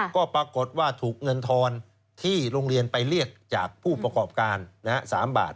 ก็ปรากฏว่าถูกเงินทอนที่โรงเรียนไปเรียกจากผู้ประกอบการ๓บาท